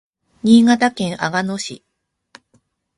新潟県阿賀野市